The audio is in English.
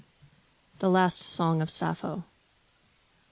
THE LAST SONG OF SAPPHO.